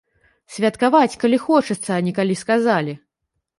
Святкаваць, калі хочацца, а не калі сказалі.